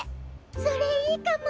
それいいかも！